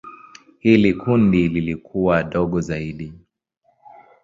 Hili kundi lilikuwa dogo zaidi.